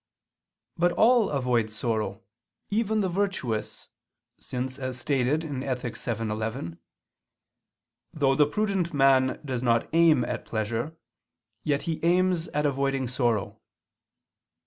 But all avoid sorrow, even the virtuous, since as stated in Ethic. vii, 11, "though the prudent man does not aim at pleasure, yet he aims at avoiding sorrow."